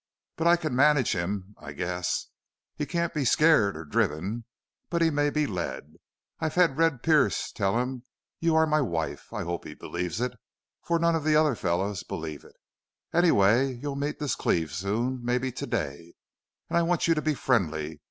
But I can manage him, I guess. He can't be scared or driven. But he may be led. I've had Red Pearce tell him you are my wife. I hope he believes it, for none of the other fellows believe it. Anyway, you'll meet this Cleve soon, maybe to day, and I want you to be friendly.